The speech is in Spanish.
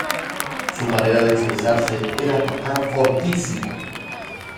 Su manera de expresarse era tocar fortísimo.